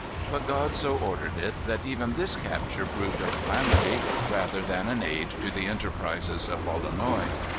But God so ordered it that even this capture proved a calamity rather than an aid to the enterprises of Lolonois.